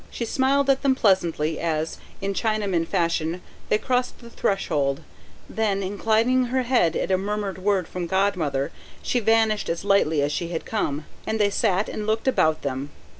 She smiled at them pleasantly, as, in Chinaman fashion, they crossed the threshold; then, inclining her head at a murmured word from Godmother, she vanished as lightly as she had come, and they sat and looked about them.